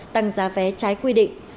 tăng giá vé trái quy định